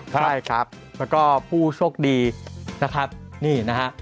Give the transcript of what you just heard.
ใช่ครับแล้วก็ผู้โชคดีนะครับนี่นะฮะ